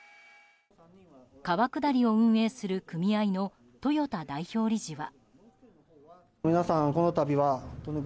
川下りを運営する組合の豊田代表理事は。